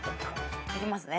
いきますね。